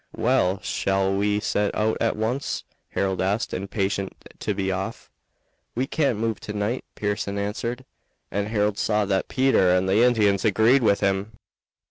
"Well! shall we set out at once?" Harold asked, impatient to be off. "We can't move to night," Pearson answered; and Harold saw that Peter and the Indians agreed with him.